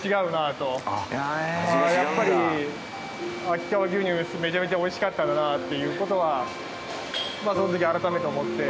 秋川牛乳めちゃめちゃ美味しかったんだなっていう事はその時改めて思って。